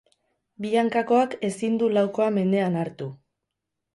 Bi hankakoak ezin du laukoa mendean hartu.